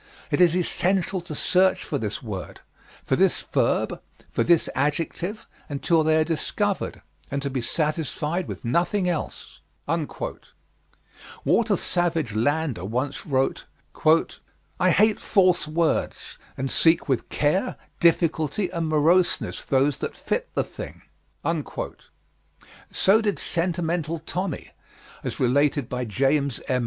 It is essential to search for this word, for this verb, for this adjective, until they are discovered, and to be satisfied with nothing else." Walter Savage Landor once wrote: "I hate false words, and seek with care, difficulty, and moroseness those that fit the thing." So did Sentimental Tommy, as related by James M.